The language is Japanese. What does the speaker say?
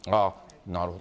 なるほど。